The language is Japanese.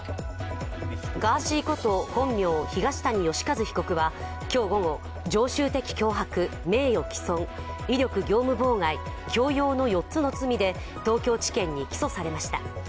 ガーシーこと本名・東谷義和被告は今日午後、常習的脅迫、名誉棄損威力業務妨害、強要の４つの罪で東京地検に起訴されました。